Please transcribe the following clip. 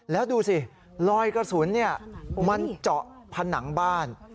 แล้วดูสิลอยกระสุนมันเจาะผนังบ้าน